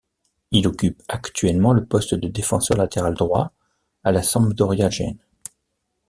Il occupe actuellement le poste de défenseur latéral droit à la Sampdoria Gênes.